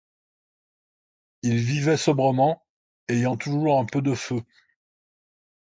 Ils vivaient sobrement, ayant toujours un peu de feu.